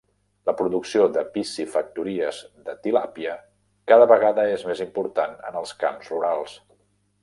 La producció de piscifactories de tilàpia cada vegada és més important en els camps rurals.